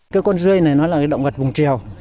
cái con dươi này nó là cái động vật vùng trèo